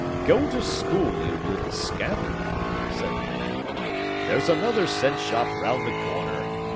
"Go to school, you little scamp!" said the man. "There's another cent shop round the corner.